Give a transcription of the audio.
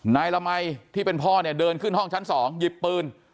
นายละไม่ที่เป็นพ่อเดินขึ้นห้องชั้นสองหยิบปืน